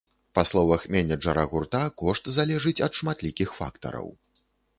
Па словах менеджара гурта, кошт залежыць ад шматлікіх фактараў.